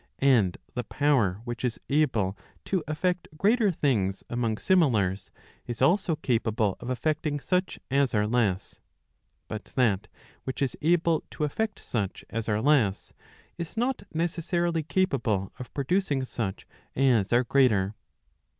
And the power which is able to effect greater things among similars, is also capable of effecting such as are less. But that which is able to effect such as are less, is not neces¬ sarily capable of producing such as are greater.